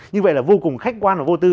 như vậy là vô cùng khách quan và vô tư